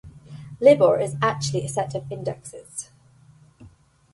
Libor is actually a set of indexes.